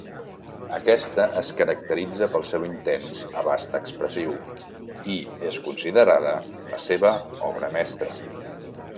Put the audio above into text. Aquesta es caracteritza pel seu intens abast expressiu i és considerada la seva obra mestra.